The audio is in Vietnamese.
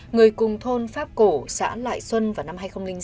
người cùng thôn pháp cổ xã lại xuân vào năm hai nghìn năm